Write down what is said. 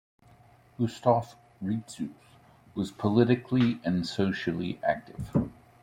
Gustaf Retzius was politically and socially active.